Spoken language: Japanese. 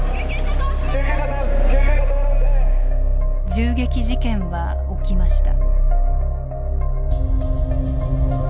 銃撃事件は起きました。